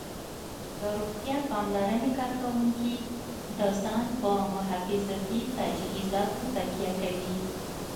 د روغتیا پاملرنې کارکوونکي د ځان په محافظتي تجهیزاتو تکیه کوي